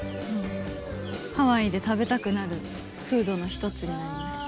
ハワイで食べたくなるフードの１つになりました。